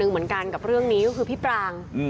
เหมือนกันกับเรื่องนี้ก็คือพี่ปราง